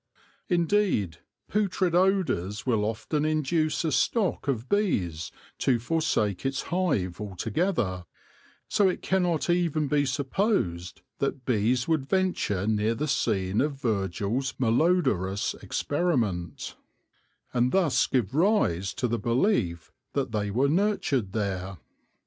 Indeed, putrid odours will often induce a stock of bees to forsake its hive altogether ; so it cannot even be supposed that bees would venture near the scene of Virgil's malodorous experiment, and thus give rise to the belief that they were nurtured there.